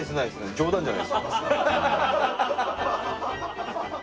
冗談じゃないです。